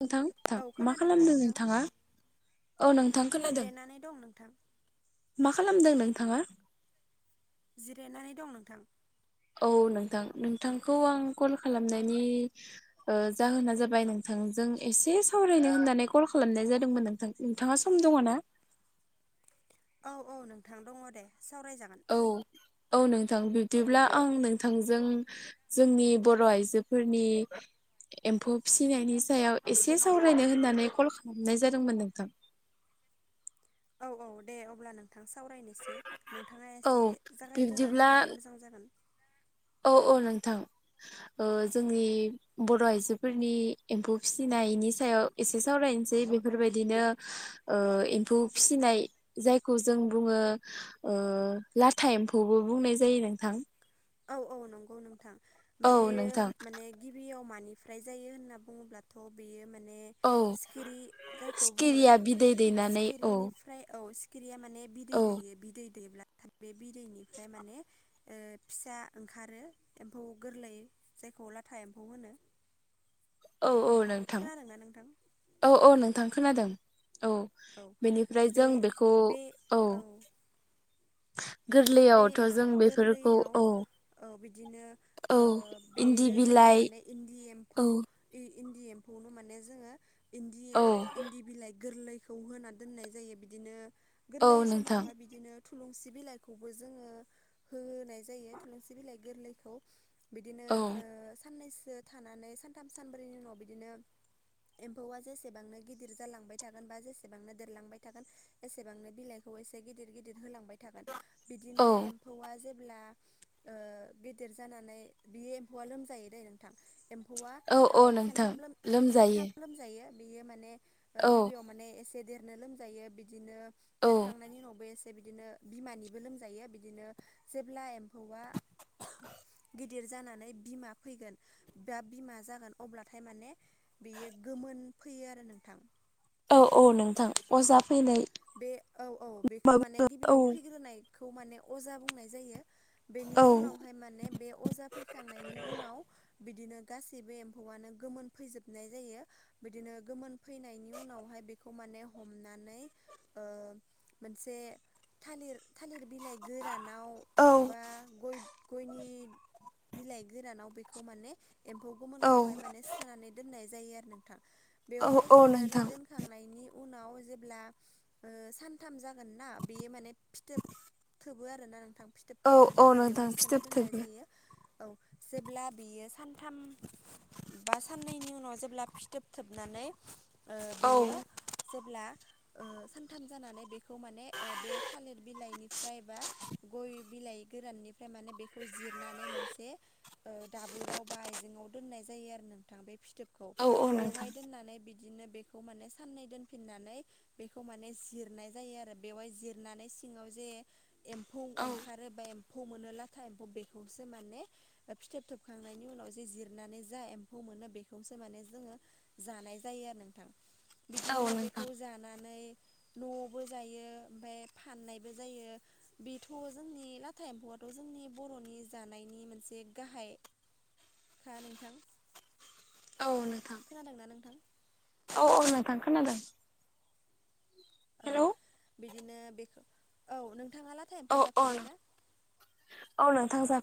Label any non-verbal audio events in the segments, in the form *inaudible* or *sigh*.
नोंथां थां औ मा खोनादोंना खालामदों नोंथां नोंथाङा। औ नोंथां खोनादों जिरायनानै दं नोंथां मा खालामदों नों। नोंथांङा। जिरायनानै दं नोंथां। औ नोंथां नोंथांखौ आं कल खालामनायनि जाहोना जाबाय नोंथां। जों एसे सावरायनो होननानै कल खालामनाय जादोंमोन नोंथां नोंथाङा सम दङ ना। औ औ नोंथां दङ दे सावरायजागोन। औ औ नोंथां बिब्दिब्ला आं नोंथांजों जोंनि बर' आइजोफोरनि। एम्फौ फिसिनायनि सायाव एसे सावरायनो होननानै कल खालामनाय जादोंमोन नोंथां। *inaudible* औ औ दे अब्ला नोंथां सावरायनोसै नोंथाङा औ एसे जागायग्रोना बिब्दिब्ला होब्ला मोजां जागोन। औ औ नोंथां। जोंनि बर' आइजोफोरनि एम्फौ फिसिनायनि सायाव एसे सावराय मोसे बेफोरबायदिनो ओ एम्फौ फिसिनाय जायखौ जों बुङो ओ लाथा एम्फौबो बुंनाय जायो नोंथां। औ औ नंगौ नोंथां औ बेयो नोंथां माने गिबियाव मा बेनिफ्राय जायो होनना बुङोब्लाथ' बे माने औ सिखिरि जायखौ बुङो सिखिरिया बिदै दैनानै औ सिखिरिनिफ्राय औ सिखिरिया माने बिदै औ दैयो बिदै दैब्ला बे बिदैनिफ्राय माने ओ फिसा ओंखारो एम्फौ गोरलै जायखौ लाथा एम्फौ होनो। औ औ नोंथां खोनादोंना नोंथां औ औ नोंथां खोनादों औ बेनिफ्राय बे जों बेखौ बे औ। बे गोरलैयावथ' जों एम्फौ बेफोरखौ गोरलैयाव औ। औ बिदिनो औ ओ इन्दि बेनो जोङो बिलाइ माने इन्दि औ एम्फौ इ इन्दि एम्फौनो माने जोङो इन्दि औ इन्दि बिलाइ गोरलैखौ होना दोननाय जायो बिदिनो औ गोरलै नोंथां समावहाय बिदिनो थुलुंसि बिलाइ खौबो जोङो होनाय जायो थुलुंसि बिलाइ गोरलैखौ। बिदिनो औ ओ साननैसो थानानै सानथाम सानब्रैनि उनाव बिदिनो एम्फौआ जेसेबांनो गिदिर जालांबाय थागोन बा जेसेबांनो देरलांबाय थागोन एसेबांनो बिलाइखौ एसे गिदिर गिदिर होलांबाय थागोन औ बिदिनो एम्फौआ जे ब्ला ओ गेदेर जानानै बि एम्फौआ लोमजायो दे नोंथां एम्फौ एम्फौवा औ ओ औ नोंथां खेनथाम लोम लोमजायो खेबथाम लोमजायो बेयो माने ओ औ गिबियाव माने एसे देरनो लोमजायो बिदिनो औ देरखांनायनि उनावबो एसे बिदिनो बिमानिबो लोमजायो बिदिनो जेब्ला एम्फौआ *inaudible* गिदिर जानानै बिमा फैगोन बा बिमा जागोन अब्ला थाय माने बियो गोमोन फैयो आरो नोंथां। औ औ नोंथां अजा फैनाय बे औ औ मा बेखौ माने बुङो गिबियाव फैग्रोनायखौ माने अजा बुंनाय जायो। बेनि औ उनावहाय माने बे अजा फैखांनायनि उनाव बिदिनो गासैबो एम्फौआनो गोमोन फैजोबनाय जायो बिदिनो गोमोन फैनायनि उनावहाय बेखौ माने बे हमनै ओ मोनसे थालिर थालिर बिलाइ गोरानाव बा गय गयनि बिलाइ गोरानाव बेखौ माने एम्फौ औ गोमोनखौहाय माने सोनानै दोननाय जायो आरो नोंथां। औ बेवहाय औ सोनानै नोंथां दोनखांनायनि उनाव जेब्ला ओ सानथाम जागोन ना बे माने फिथोब थोबो आरोना नोंथां। फिथोब औ थोबनो औ थाखाय नोंथां बेवहाय सोना फिथोब दोननाय थोबो जायो औ जेब्ला बियो सानथाम बा साननैनि उनाव जेब्ला फिथोबथोबनानै ओ औ बेयो जेब्ला ओ सानथाम जानानै बे बेखौ माने ओ बे थालिर बिलाइनिफ्राय बा गय बिलाइ गोराननिफ्राय माने बेखौ जिरनानै मोनसे ओ दाबोराव बा आइजें ङाव दोननाय जायो नोंथां बे फिथोबखौ औ औ नोंथां बेवहाय दोननानै बिदिनो बेखौ माने साननै दोनफिननानै बेखौ माने जिरनाय जायो आरो बेवहाय जिरनानै सिङाव जे एम्फौ औ ओंखारोबा एम फौ मोनो लाथा एम्फौ बेखौसो माने फिथोब थोबखांनायनि उनाव जे जिरनानै जा एम्फौ मोनो बेखौसो माने जोंङो जानाय जायो आरो नोंथां औ बिदिनो नोंथां बेखौ जाना माने न'आवबो जायो ओमफाय फाननायबो जायो बेथ' जोंनि लाथा एम्फौआथ' जों जोंनि बर'नि जानायनि मोनसे गाहायखा नोंथां औ नोंथां। खोनादोंना नोंथां औ औ नोथां खोनादों। औ हेलौ बिदिनो बेखौ औ नों थाङा लाथा औ एम्फौ औ जाफेरबाय ना?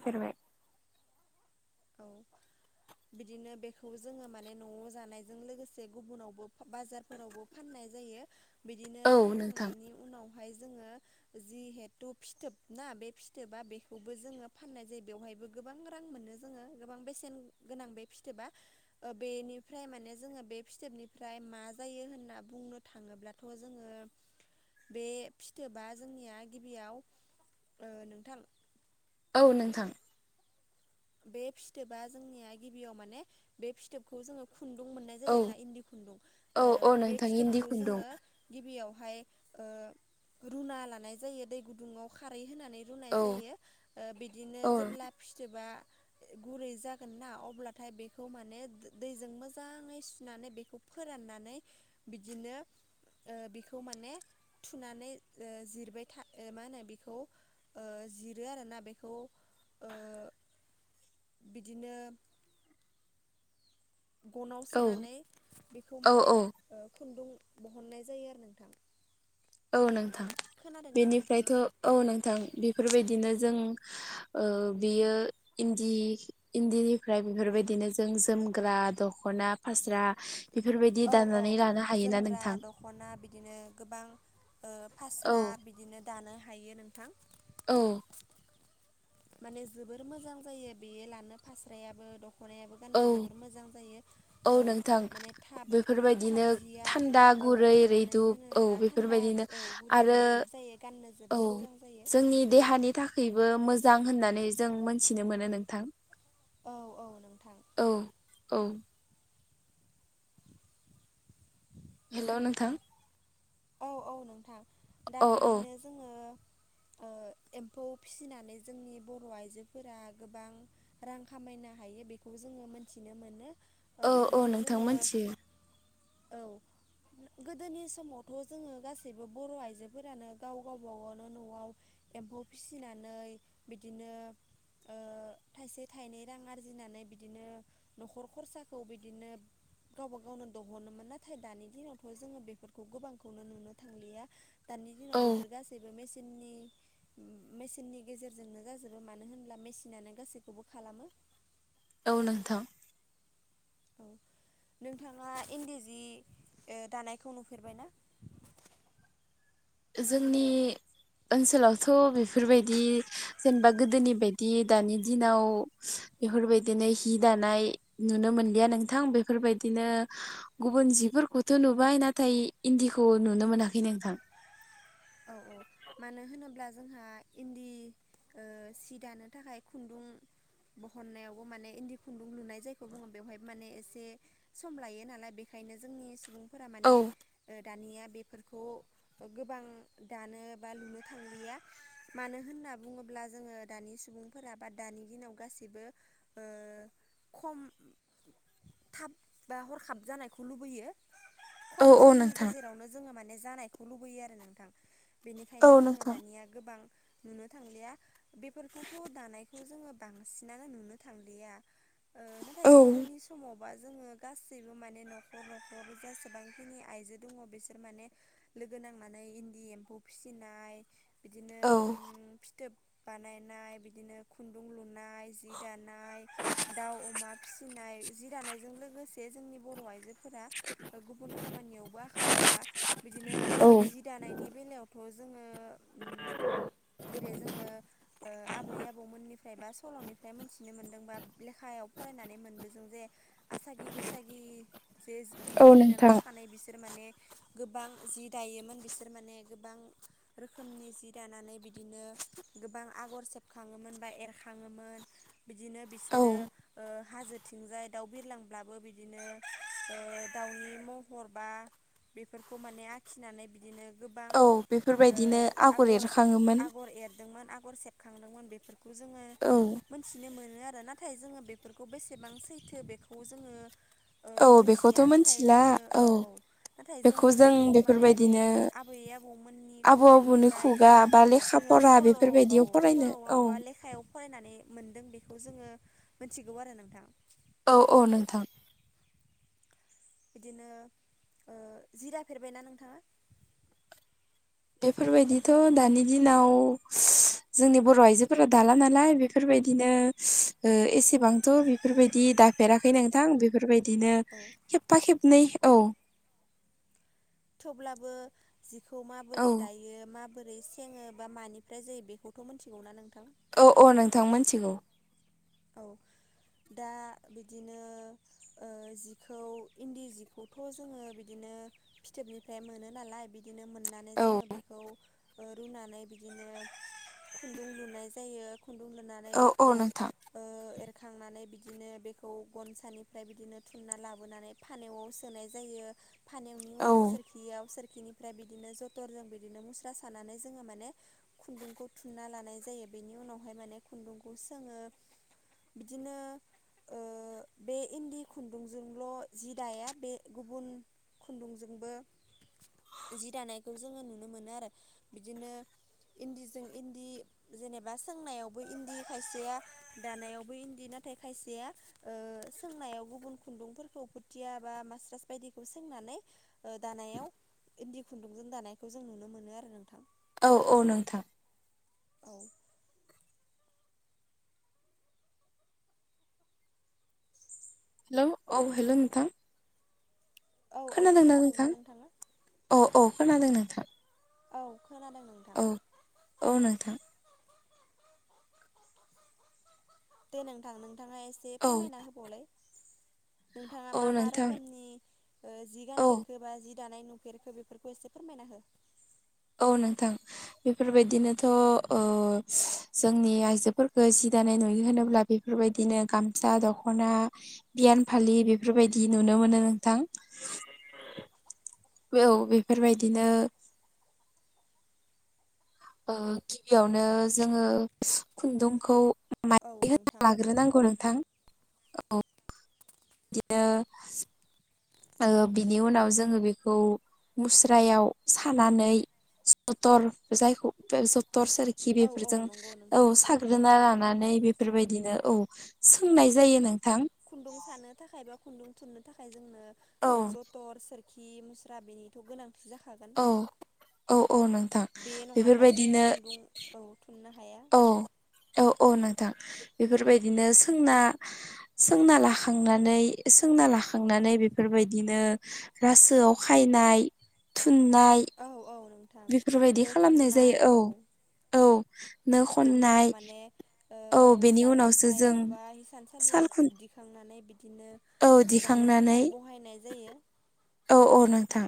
फेरबाय। औ। बिदिनो बेखौ जोङो माने न'आव जानायजों लोगोसे गुबुनावबो बाजारफोरावबो फाननाय जायो बिदिनो औ नोंथां फानखांनायनि उनाव हाय जोङो जिहेथु फिथोब ना बे फिथोबा बेखौबो जोङो फाननाय जायो बेयावहाय गोबां रां मोनो जोङो गोबां बां बेसेन गोनां बे फिथोबा ओ बेनिफ्राय माने जोङो बे फिथोबनिफ्राय मा जायो? होनना बुंनो थाङोब्लाथ' जोङो बे फिथोबा जोंनिया गिबियाव ओ नोंथां औ नोंथां बे फिथोबा जोंनिया गिबियाव माने बे फिथोबखौ जोङो खुन्दुं मोननाय औ जायो आरोना इन्दि खुन्दुं औ ओ औ बे नोंथां इन्दि फिथोबखौ खुन्दुं जोङो गिबियाव फाय ओ रुना लानाय जायो दै गुुंदुङाव खारै होनानै रुनाय औ जायो बिदिनो जेब्ला फिथोबा गुरै जागोन ना अब्लाथाय बेखौ माने दैजों मोजाङै सुनानै बेखौ फोराननानै बिदिनो ओ बिखौ माने थुनानै ओ जिरबाय था मा होनो बेखौ ओ जिरो आरोना बेखौ ओ बिदिनो गनाव औ सोनानै बेखौ औ माने औ खुन्दुं बहननाय जायो आरो नोंथां औ नोंथां खोनादोंना बेनिफ्रायथ' नोंथाङा? औ नोंथां बे बेफोरबायदिनो जों ओ बियो इन्दि इन्दिनिफ्राय बेफोरबायदि बिदिनो जों जोमग्रा दख'ना फास्रा बेफोरबायदि औ औ दानानै लानो हायोना जोमग्रा नोंथां दख'ना बिदिनो गोबां ओ औ फास्रा बिदिनो दानो हायो नोंथां औ माने जोबोर मोजां जायो बेयो लानो फास्रायाबो द औ *unintelligible* *inaudible* औ नोंथां माने थाब थाब बेफोरबायदिनो जिया थान्दा औ गुरै मानो रैदुप औ होनोब्ला थान्दा बेफोरबायदिनो औ गुरै आरो रैदुब जायो गाननो जोबोर औ मोजां जायो जोंनि देहानि थाखायबो मोजां मोजां होननानै जों मोनथिनो मोनो नोंथां औ औ नोंथां औ औ हेल' नोंथां औ औ नोंथां दा औ औ बिदिनो जोङो ओ एम्फौ फिसिनानै जोंनि बर' आइजोफोरा गोबां रां खामायनो हायो बेखौ खौ जोङो मोनथिनो मोनो ओ औ औ बिदिनो नोंथां जोङो मोनथियो औ गोदोनि समाव थ' जोङो गासैबो बर' आइजोफोरानो गाव गावबागावनो न'आव एम्फौ फिसिनानै नै बिदिनो ओ थाइसे थाइनै रां आरजिनानै बिदिनो न'खर खरसाखौ बिदिनो गावबा गावनो दहनोमोन नाथाय दानि दिनावथ' जोङो बेफोरखौ गोबां खौनो नुनो थांलिया दानि दिनाव औ बेफोर गासैबो मेचिननि मेसिननि गेजेरजोंनो जाजोबो मानो होनब्ला मेसिनानो गासैखौबो खालामो औ नोंथां औ नोंथाङा इन्दि जि दानायखौ नुफेरबाय ना *unintelligible* *inaudible* जोंनि ओनसोलावथ' बेफोरबायदि जेनेबा गोदोनि बायदि दानि दिनाव बेफोरबायदिनो हि दानाय नुनो मोनलिया नोंथां बेफोरबायदिनो गुबुन जि बेफोरखौथ' नुबाय नाथाय इन्दिखौ नुनो मोनाखै नोंथां औ औ मानो होनोब्ला जोंहा इन्दि सि दानो थाखाय खुन्दुं बहननायावबो माने इन्दि खुन्दुं लुनाय जायखौ बुङो बेवहाय माने एसे सम लायो नालाय बेनिखायनो बेखायनो जोंनि सुबुं फोरा औ माने दानिया बेफोरखौ गोबां दानो लुनो थांलिया मानो होनना बुङोब्ला जोङो दानि सुबुंफोरा बा दानि दिनाव गासिबो सिबो खम थाब बा हरखाब जानायखौ लुबैयो औ खम औ समनि नोंथां गेजेरावनो जोङो माने जानायखौ लुबैयो आरो नोंथां औ बेनिखायनो जोङो नोंथां दानिया गोबां नुनो थांलिया बेफोरखौथ' दानायखौ जोङो बांसिनानो नुनो थांलिया नाथाय औ गोदोनि समाव ज गासैबो मान न'खर न'खर जेसेबांखिनि आइजो दङ बिसोर माने लोगो नांनानै इन्दि एम्फौ फिसिनाय बिदिनो औ फिथोब बानायनाय बिदिनो खुन्दुं लु दानाय जि दानाय दाउ अमा फिसिनाय जिरानायजों लोगोसे जोंनि बर' आइजो फोर गुबुन खामानियावबो आखा फाखा बिदिनो औ जि दानायनि बेलायाव जेरै जेरै जोंङो आबै आबौ फ्राय बा सल'निफ्राय मोनथिनो मोन्दों बा लेखायाव फरायनानै मोनबो दों जे आसागि बैसागि जे औ बिब' बिनानाव नोंथां सानै बिसोर माने गोबां जि दायोमोन बिसोर माने गोबां रोखोमनि जि दानानै बिदिनो गोबां आगर सेबखाङोमोन बा एरखां थाङोमोन बिदिनो औ बिसोरो हाजोथिंजाय दाउ बिरलांब्लाबो बिदिनो दाउनि महर बा बेफोरखौ माने आखिनानै बिदिनो गोबां औ ओ बेफोरबायदिनो आगर एरखाङोमोन हर सेबखांदोंमोन बेफोरखौ जोङो औ मोनथिनो मोनो मोनो आरो नाथाय जोङो बेफोरखौ बेसेबां सैथो बेखौ जोङो औ बेखौथ' मोनथिया नाथाय मिथिला जोङो औ औ नाथाय बेखौ जोङो जों बेफोरखौ माने बेफोरबायदिनो आबैै आबौ मोननि आबौ आबौनि खुानिफ्राय खुगा बा लेखा जोङो' फरा बेफोरबायदियाव फरायनो औ स'बा लेायाव फरायनानै मोनदों बेखौ जोङो मिथिगौ आरो नोंथां औ औ नोंथां बिदिनो जिरा फेरबायनाा नोंथाङा बेफोरबायदिथ' दानि दिनाव जोंनि बर' आइजोफोरा दाला नालाय बेफोरबायदि बेबायदिनो एसेबांथ' बेफोरबायदि दाफेराखै नोंथां बेफोरबायदि बिदिनो औ खेबफा खेबनै औ थेवब्लाबो जिखौ माबोरै औ दायो मा बोरै सोङो बा मानिफ्राय जायो बेखौथ' मोनथिगौना नोंथां औ औ नोंथां मोनथिगौ औ दा बिदिनो जिखौ इन्दि जिखौथ' जोङो बिदिनो फिथोबनि मोन नालाय बिदिनो मोननानै औ जोंङो बेखौ दुंनानै बिदिनो खुन्दुं लुनाय जायो खुन्दुं लुनानै औ बेखौ औ नोंथां एरखांनानै बिदिनो बेखौ गनसानिफ्राय बिदिनो थुमना लाबोनानै फानवआव सोनाय जायो जायो फानानि औ उनाव सोरखियाव बिनिफ्राय बिदिनो जथरजों बिदिनो मुस्रा सानानै जोङो माने खुन्दुंखौ थुनना लानाय जायो बेनि उनावहाय माने खुन्दुंखौसो सोङो बिदिनो बे इन्दि खुन्दुंजोंल' जि दाया बे गुबुन खुन्दुंजोंबो जि दानायखौ जोङो नुनो मोनो आरो बिदिनो इन्दिजों इन्दि जेनेबा सोंनायावबो इन्दि खायसेया दानायावबो इन्दि नाथाय खायसेया सोंनायाव गुबुन खुन्दुंफोरखौ फोथिया बा मास्टार्स बायदिखौ सोंनानै दानायाव इन्दि खुन्दुंजों दानायखौ जों नुनो मोनो आरो नोंथां औ औ नोंथां औ हेलौ औ हेलौ नोंथां। औ औ खोनादोंना नोंथाङा? अ खोनादों नोंथां। औ खोनानो औ औ नोंथां। दे नोंथां नोंथाङा एसे औ फोरमायना होबावलाय। नोंथाङा मा औ मा नोंथां रोखोमनि जि ओ औ गानफेरखोबा जि दानाय नुफेरखो बेफोरखौ एसे फोरमायना हो। औ नोंथां बेफोरबायदिनोथ' ओ जोंनि आइजोफोरखौ जि दानाय नुयो होनोब्ला बेफोरबायदिनो गामसा दख'ना बियान फालि बेफोरबायदि नुनो नुनो मोनो नोंथां। औ बेफोरबायदिनो ओ गिबियावनो जोङो खुन्दुंखौ औ मायदि होना नोंथां लाग्रोनांगौ नोंथां औ। *unintelligible* ओ बिनि उनाव जोङो बेखौ मुस्रायाव सानानै सतर जायखौ *unintelligible* थर सोरखि औ औ बेफोरजों नंगौ औ नोंथां साग्रोना औ औ लानानै बेफोरबायदिनो औ सोंनाय जायो नोंथां। खुन्दुं सानो थाखाय बा खुन्दुं थुननो थाखाय जोंनो औ जथर सोर खि मुस्रा बेनिथ' गोनां औ औ औ नोंथां बे नङाब्ला जोङो बेफोरबायदिनो खुन्दुं औ थुननो हाया औ। औ औ नोंथां बेफोरबायदिनो सोंना सोंना लाखांनानै सोंना लाखांनानै बेफोरबायदिनो रासोआव खायनाय थुननाइ औ औ नोंथां नो खननाय औ। औ नो बेनि उनाव खननाय माने ओ औ बेनि साल उनावसो जों खुन्थायाव बा हसानसालियाव साल खुन याव दिखांनानै बिदिनो औ दानो दिखांनानै थाखाय बहायनाय जायो औ औ नोंथां।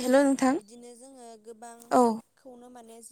हेल' नोंथां बिदिनो जोङो औ गोबांखौनो माने